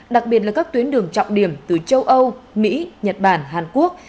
đặc biệt là các tuyến đường trọng điểm từ châu âu mỹ nhật bản hàn quốc